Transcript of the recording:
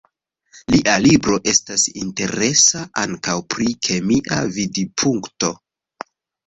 Lia libro estas interesa ankaŭ pri kemia vidpunkto.